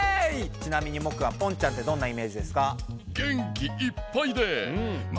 ちなみにモクはポンちゃんってどんなイメージですか？